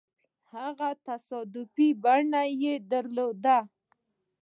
هغو تصادفي بڼه يې درلوده.